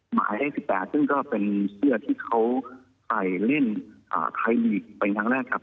หมายเลข๑๘ซึ่งก็เป็นเสื้อที่เขาใส่เล่นไทยลีกเป็นครั้งแรกครับ